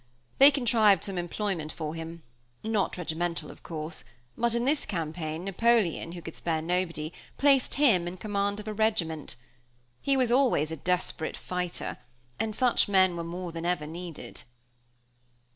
They contrived some employment for him not regimental, of course but in this campaign Napoleon, who could spare nobody, placed him in command of a regiment. He was always a desperate fighter, and such men were more than ever needed."